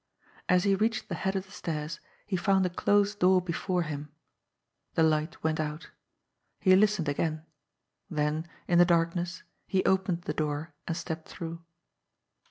As he reached the head of the stairs he found a closed door before him. The light went out. He listened again ; then, in the darkness, he opened the door and stepped through.